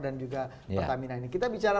dan juga pertamina ini kita bicara